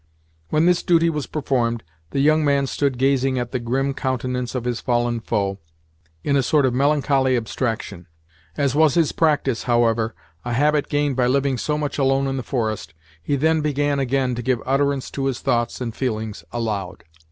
When this duty was performed, the young man stood gazing at the grim countenance of his fallen foe, in a sort of melancholy abstraction. As was his practice, however, a habit gained by living so much alone in the forest, he then began again to give utterance to his thoughts and feelings aloud.